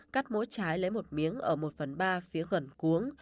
cắt mỗi trái lấy một miếng ở một phần ba phía gần cuống